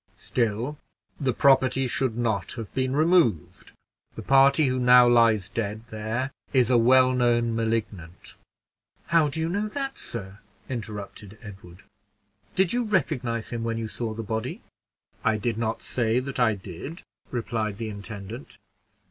"Still the property should not have been removed. The party who now lies dead there is a well known Malignant." "How do you know that, sir?" interrupted Edward; "did you recognize him when you saw the body?" "I did not say that I did," replied the intendant.